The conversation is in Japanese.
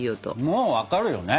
もう分かるよね！